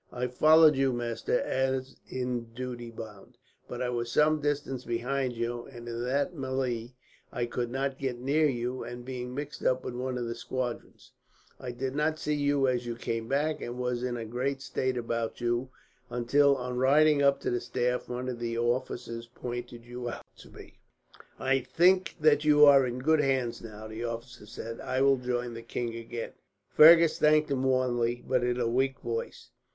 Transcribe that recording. "I followed you, master, as in duty bound; but I was some distance behind you, and in that melee I could not get near you; and being mixed up with one of the squadrons, I did not see you as you came back, and was in a great state about you until, on riding up to the staff, one of the officers pointed you out to me." "I think that you are in good hands now," the officer said. "I will join the king again." Fergus thanked him warmly, but in a weak voice.